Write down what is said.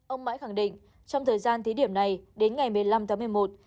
ông mãi khẳng định trong thời gian thí điểm này đến ngày một mươi năm tháng một mươi một